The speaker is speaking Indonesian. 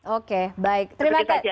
oke baik terima kasih